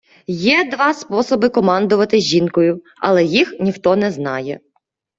Є два способи командувати жінкою, але їх ніхто не знає